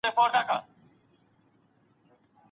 تاسو یوازي په خپلو اخلاقو تمرکز وکړئ.